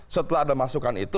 setelah ada masukan itu